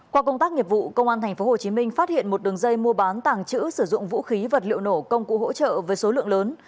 qua công tác nghiệp vụ công an tp hcm phát hiện một đường dây mua bán tàng trữ sử dụng vũ khí vật liệu nổ công cụ hỗ trợ với số lượng lớn